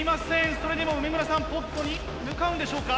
それでも梅村さんポットに向かうんでしょうか？